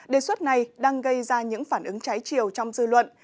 đề xuất này đang gây ra những phản ứng trái chiều trong dư luận